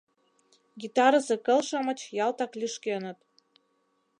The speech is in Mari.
Гитарысе кыл-шамыч ялтак лӱшкеныт: